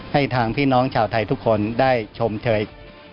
ให้ทางพี่น้องชาวไทยทุกคนได้ชมเชย